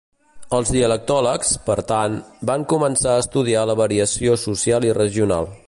Els dialectòlegs, per tant, van començar a estudiar la variació social i regional.